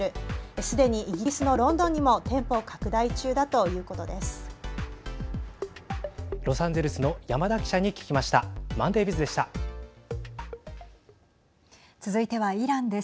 すでにイギリスのロンドンにも店舗を拡大中だということです。